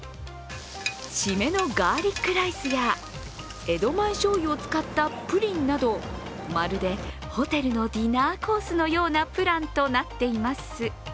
シメのガーリックライスや江戸前しょうゆを使ったプリンなどまるでホテルのディナーコースのようなプランとなっています。